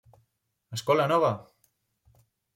Escola nova!